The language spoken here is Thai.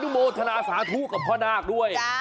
โมทนาสาธุกับพ่อนาคด้วย